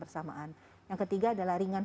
bersamaan yang ketiga adalah ringan